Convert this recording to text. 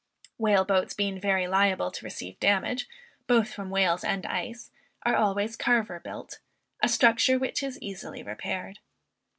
Whale boats being very liable to receive damage, both from whales and ice, are always carver built, a structure which is easily repaired.